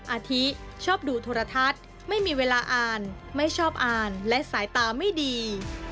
อาทิชอบดูโทรทัศน์ไม่มีเวลาอ่านไม่ชอบอ่านและสายตาไม่ดี